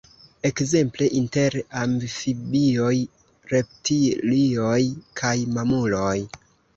Ekzemple, inter amfibioj, reptilioj kaj mamuloj.